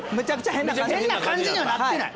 変な感じにはなってない。